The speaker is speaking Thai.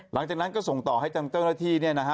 หลังจากนั้นก็ส่งต่อให้จันทร์ท่อที่นี่นะฮะ